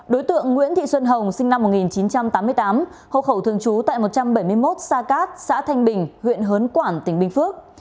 đối tượng nguyễn thị xuân hồng sinh năm một nghìn chín trăm tám mươi tám hộ khẩu thường trú tại một trăm bảy mươi một sa cát xã thanh bình huyện hớn quản tỉnh bình phước